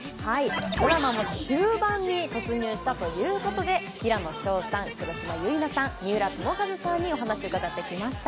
ドラマも終盤に突入したということで、平紫耀さん、黒島結菜さん、三浦友和さんにお話を伺ってきました。